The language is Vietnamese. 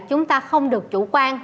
chúng ta không được chủ quan